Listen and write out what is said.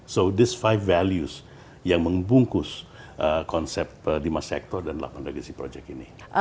so this fire values yang membungkus konsep lima sektor dan delapan legacy project ini